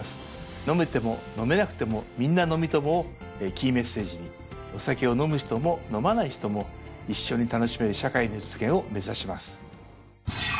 「飲めても飲めなくても、みんな飲みトモ」をキーメッセージにお酒を飲む人も飲まない人も一緒に楽しめる社会の実現を目指します。